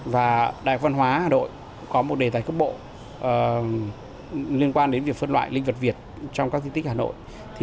và đài văn hóa hà nội có một đề tài cấp bộ liên quan đến việc phân loại linh vật việt trong các di tích hà nội